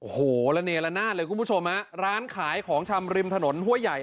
โอ้โหระเนละนาดเลยคุณผู้ชมฮะร้านขายของชำริมถนนห้วยใหญ่